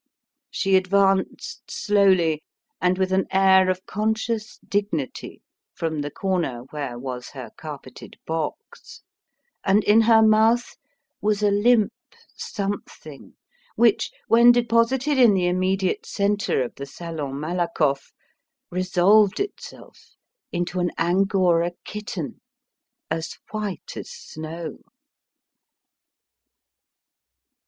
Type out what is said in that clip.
She advanced slowly and with an air of conscious dignity from the corner where was her carpeted box, and in her mouth was a limp something, which, when deposited in the immediate centre of the Salon Malakoff, resolved itself into an angora kitten, as white as snow!